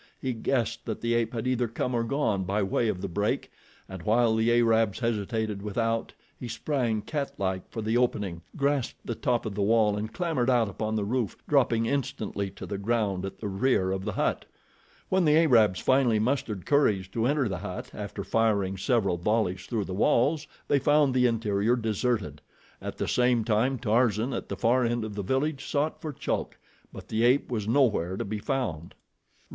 He guessed that the ape had either come or gone by way of the break, and while the Arabs hesitated without, he sprang, catlike, for the opening, grasped the top of the wall and clambered out upon the roof, dropping instantly to the ground at the rear of the hut. When the Arabs finally mustered courage to enter the hut, after firing several volleys through the walls, they found the interior deserted. At the same time Tarzan, at the far end of the village, sought for Chulk; but the ape was nowhere to be found.